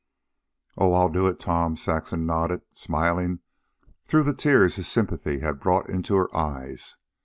"Oh, I'll do it, Tom," Saxon nodded, smiling through the tears his sympathy had brought into her eyes.